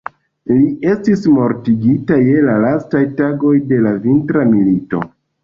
Li estis mortigita je la lastaj tagoj de la Vintra milito.